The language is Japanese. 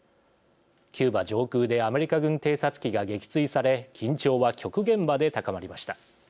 キューバ上空でアメリカ軍偵察機が撃墜され緊張は極限まで高まりました。